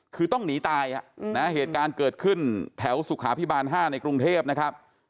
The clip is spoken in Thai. คือต้องหนีตายเหตุการณ์เกิดขึ้นแถวสุขาพิบาล๕ในกรุงเทพนะครับ